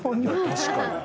確かに。